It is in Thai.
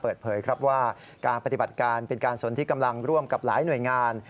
เปิดเผยครับว่าการปฏิบัติการเป็นการสนที่กำลังร่วมกับหลายหน่วยงาน